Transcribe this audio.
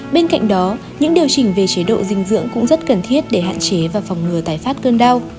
bên cạnh đó những điều chỉnh về chế độ dinh dưỡng cũng rất cần thiết để hạn chế và phòng ngừa tái phát cơn đau